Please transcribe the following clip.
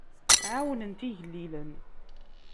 Ɛawnent igellilen.